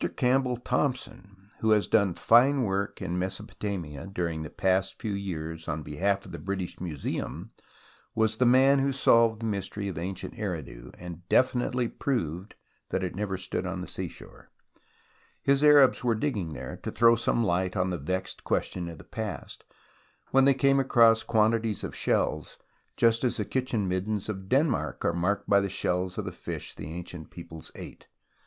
Campbell Thomson, who has done fine work in Mesopotamia during the past few years on behalf of the British Museum, was the man who solved the mystery of ancient Eridu, and definitely proved that it never stood on the seashore. His Arabs were digging there, to throw some light on the vexed question of the past, when they came across quantities of shells, just as the kitchen middens of Denmark are marked by the shells of the fish the ancient peoples ate.